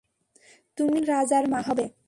তুমি একজন রাজার মা হবে!